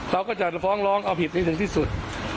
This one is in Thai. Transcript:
เราก็จะละฟ้องร้องเอาผิดที่สุด